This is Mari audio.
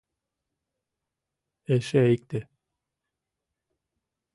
Эше икте...